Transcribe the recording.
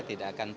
tidak akan tuntut